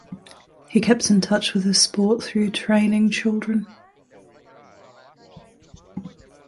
He kept in touch with his sport through training children.